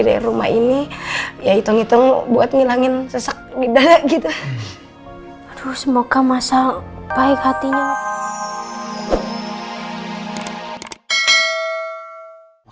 dari rumah ini ya hitung hitung buat ngilangin sesak tidak gitu semoga masa baik hatinya